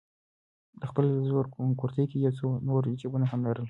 ده په خپل زوړ کورتۍ کې یو څو نور جېبونه هم لرل.